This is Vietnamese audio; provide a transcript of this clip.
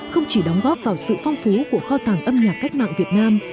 không chỉ đóng góp vào sự phong phú của kho tàng âm nhạc cách mạng việt nam